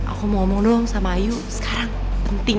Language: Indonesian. aku mau ngomong dulu sama ayu sekarang penting